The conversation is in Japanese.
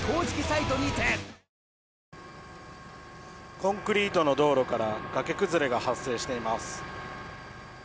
コンクリートの道路から崖崩れが発生しています。